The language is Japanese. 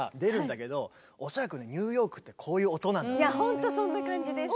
ほんとそんな感じです。